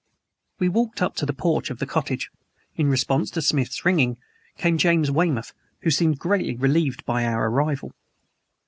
We walked up to the porch of the cottage. In response to Smith's ringing came James Weymouth, who seemed greatly relieved by our arrival.